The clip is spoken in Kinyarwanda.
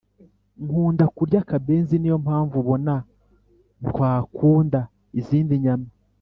nkunda kurya akabenzi niyompamvu ubona ntwakunda izindi nyama